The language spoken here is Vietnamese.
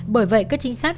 bởi vậy các chính sát